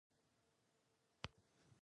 هغه په پیغور وویل چې جګړه د مېړنیو کار دی